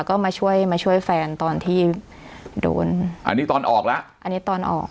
ก็มาช่วยมาช่วยแฟนตอนที่โดนอันนี้ตอนออกแล้วอันนี้ตอนออก